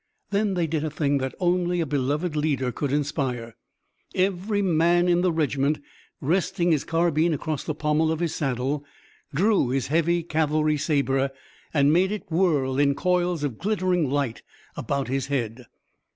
Then they did a thing that only a beloved leader could inspire. Every man in the regiment, resting his carbine across the pommel of his saddle, drew his heavy cavalry saber and made it whirl in coils of glittering light about his head.